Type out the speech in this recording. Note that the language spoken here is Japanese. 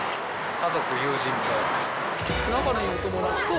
家族、友人と。